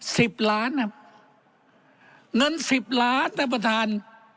สิบล้านครับเงินสิบล้านท่านประธาน